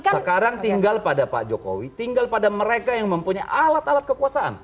sekarang tinggal pada pak jokowi tinggal pada mereka yang mempunyai alat alat kekuasaan